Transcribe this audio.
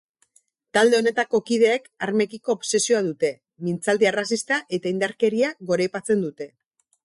Talde honetako kideek armekiko obsesioa dute, mintzaldi arrazista eta indarkeria goraipatzen dute.